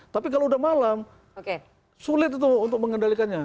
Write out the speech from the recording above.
tapi kalau udah malam sulit itu untuk mengendalikannya